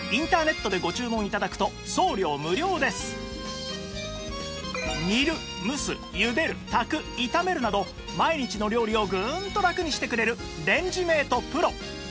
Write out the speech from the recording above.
さらに煮る蒸す茹でる炊く炒めるなど毎日の料理をグンとラクにしてくれるレンジメート ＰＲＯ